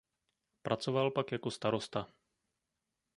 Pracoval pak jako starosta.